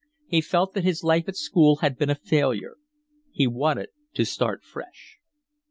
He felt that his life at school had been a failure. He wanted to start fresh.